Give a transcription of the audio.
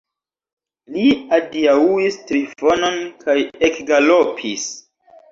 Li adiaŭis Trifonon kaj ekgalopis.